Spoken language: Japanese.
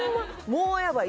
もうやばい